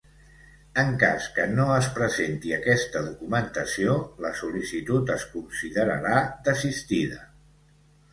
En cas que no es presenti aquesta documentació, la sol·licitud es considerarà desistida.